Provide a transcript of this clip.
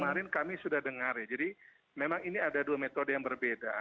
kemarin kami sudah dengar ya jadi memang ini ada dua metode yang berbeda